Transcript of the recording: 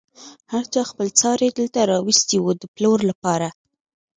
هر چا خپل څاری دلته راوستی و د پلور لپاره.